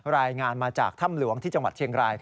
รายงานมาจากถ้ำหลวงที่จังหวัดเชียงราย